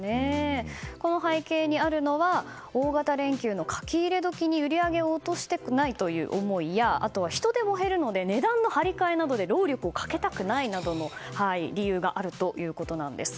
この背景にあるのは大型連休の書き入れ時に売り上げを落としたくないという思いや人手も減るので値段の貼り替えなどで労力をかけたくないなどの理由があるということです。